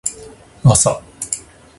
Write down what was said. あさ